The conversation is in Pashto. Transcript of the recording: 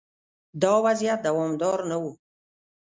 دا وضعیت دوامدار نه و.